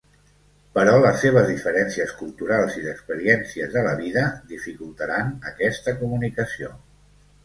Però les seves diferències culturals i d'experiències de la vida dificultaran aquesta comunicació.